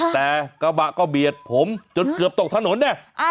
แต่กระบะก็เบียดผมจนเกือบตกถนนเนี่ย